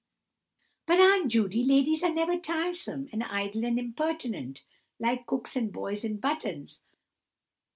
"But, Aunt Judy, ladies are never tiresome, and idle, and impertinent, like cooks and boys in buttons.